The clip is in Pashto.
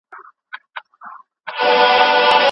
تر واده مخکي مفاهمه نه کول لويه تېروتنه ده.